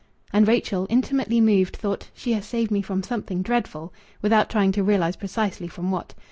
And Rachel, intimately moved, thought: "She has saved me from something dreadful!" (Without trying to realize precisely from what.)